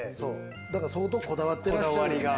だから、相当こだわってらっしゃる。